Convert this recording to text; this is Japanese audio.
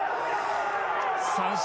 三振。